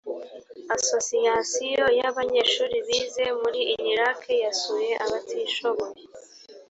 asosiyasiyo ya banyeshuri bize muri unilak yasuye abatishoboye